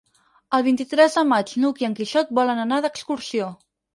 El vint-i-tres de maig n'Hug i en Quixot volen anar d'excursió.